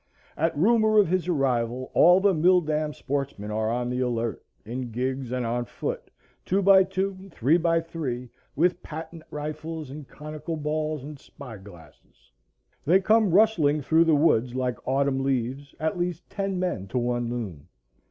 At rumor of his arrival all the Mill dam sportsmen are on the alert, in gigs and on foot, two by two and three by three, with patent rifles and conical balls and spy glasses. They come rustling through the woods like autumn leaves, at least ten men to one loon.